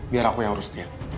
biar aku yang urus dia